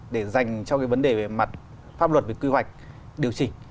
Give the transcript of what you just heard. để dành cho vấn đề về mặt pháp luật quy hoạch điều chỉnh